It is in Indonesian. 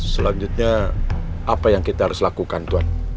selanjutnya apa yang kita harus lakukan tuhan